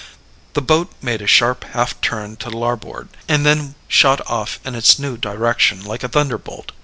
The boat made a sharp half turn to larboard, and then shot off in its new direction like a thunderbolt.